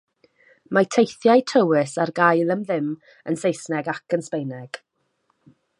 Mae teithiau tywys ar gael am ddim yn Saesneg ac yn Sbaeneg.